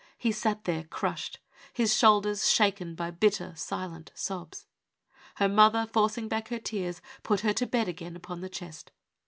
He sat there, crushed, his shoulders shaken by bitter, silent sobs. Her mother, forcing back her tears, put her to bed again upon the chest.